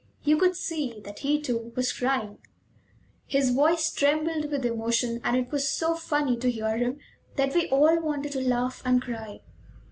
You could see that he, too, was crying; his voice trembled with emotion, and it was so funny to hear him that we all wanted to laugh and cry.